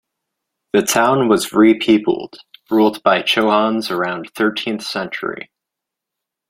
The town was re-peopled ruled by Chauhans around thirteenth century.